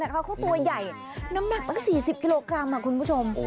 เขาตัวใหญ่น้ำหนักตั้ง๔๐กิโลกรัมคุณผู้ชม